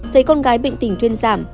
thấy con gái bệnh tình thuyên giảm